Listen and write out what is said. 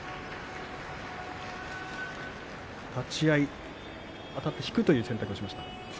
立ち合い、あたって引くという選択をしました。